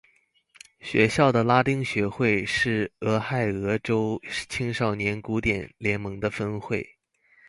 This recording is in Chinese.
学校的拉丁学会是俄亥俄州青少年古典联盟的分会。